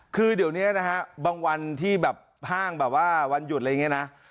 คือเดี๋ยวนี้นะฮะบางวันที่แบบห้างแบบว่าวันหยุดอะไรอย่างนี้นะ